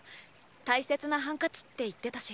大切なハンカチって言ってたし。